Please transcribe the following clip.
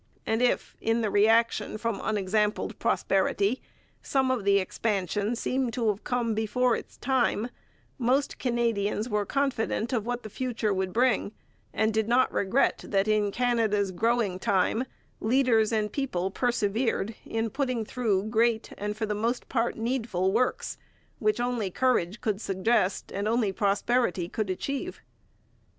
And if in the reaction from unexampled prosperity some of the expansion seemed to have come before its time, most Canadians were confident of what the future would bring, and did not regret that in Canada's growing time leaders and people persevered in putting through great and for the most part needful works which only courage could suggest and only prosperity could achieve.